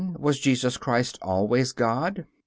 Was Jesus Christ always God?